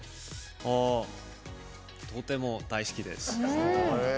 とても大好きです。